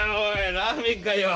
ラーメンかよ。